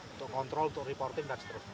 untuk kontrol untuk reporting dan seterusnya